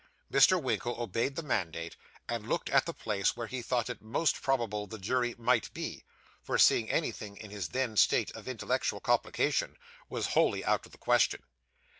Mr. Winkle obeyed the mandate, and looked at the place where he thought it most probable the jury might be; for seeing anything in his then state of intellectual complication was wholly out of the question.